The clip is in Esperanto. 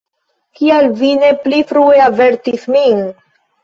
Kial vi ne pli frue avertis min?